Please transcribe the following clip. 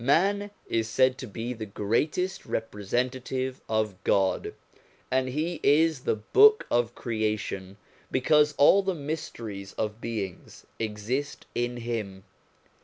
Man is said to be the greatest representative of God, and he is the Book of Creation because all the mysteries of beings exist in him.